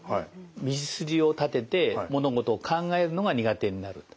道筋を立てて物事を考えるのが苦手になると。